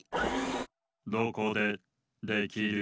どこでできる？